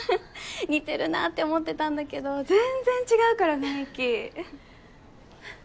似てるなって思ってたんだけど全然違うから雰囲気ははっ。